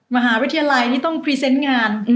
มหาวิทยาลัยนี่ต้องพรีเซนต์งาน